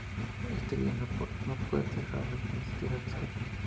Ese día no pueden trabajar ni asistir a la escuela.